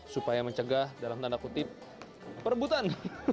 supaya mencegah dalam tanda kutip perebutan